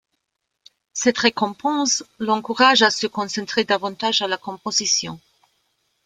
Cette récompense l'encourage à se concentrer davantage à la composition.